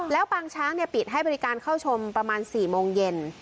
แล้วปางช้างปิดให้บริการเข้าชมประมาณ๔โมงเย็น